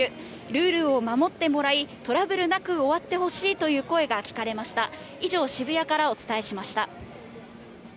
ルールを守ってもらい、トラブルなく終わってほしいという声が聞かれました。